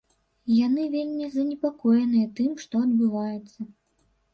Яны вельмі занепакоены тым, што адбываецца.